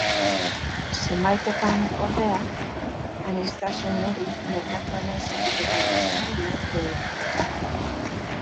Zenbaitetan, ordea, aniztasun hori merkatuaren zatiketa bezala ulertu ohi da.